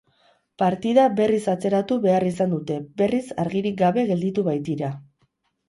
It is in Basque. Partida berriz atzeratu behar izan dute, berriz argirik gabe gelditu baitira.